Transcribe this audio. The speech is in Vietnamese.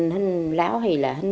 hình lão thì là